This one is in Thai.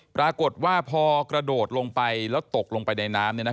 ปรากฏว่าพอกระโดดลงไปแล้วตกลงไปในน้ำ